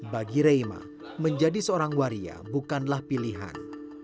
bagi reima menjadi seorang waria bukanlah pilihan